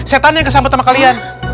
setan yang kesambut sama kalian